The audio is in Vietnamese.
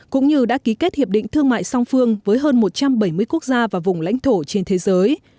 cũng như đã ký kết hiệp định thương mại song phương với hơn một trăm bảy mươi quốc gia và vùng lãnh thổ trên thế giới